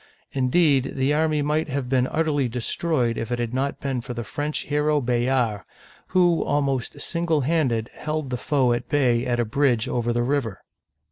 Indeed, the army might have been utterly destroyed if it had not been for the French hero Bayard (ba yar'), whoj almost single handed, held the foe at bay at a bridge over the river.